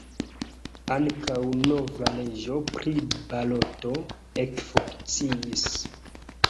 Ankaŭ nova leĝo pri baloto ekfunkciis.